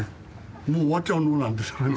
「もう終わっちゃうの？」なんて。